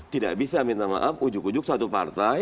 tidak bisa minta maaf ujuk ujuk satu partai